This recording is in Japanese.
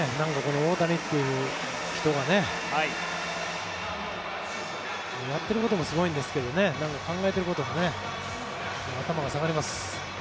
大谷という人がやってることもすごいんですが考えていることも頭が下がります。